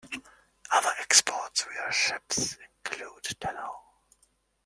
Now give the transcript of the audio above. Other exports via ships include tallow.